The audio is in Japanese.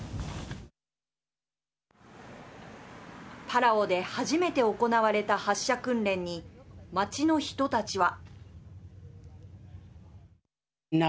パラオで初めて行われた発射訓練に街の人たちは。